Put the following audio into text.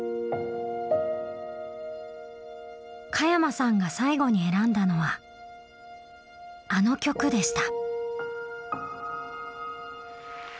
加山さんが最後に選んだのはあの曲でした。